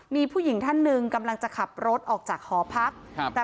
มีผู้หญิงท่านหนึ่งกำลังจะขับรถออกจากหอพักครับ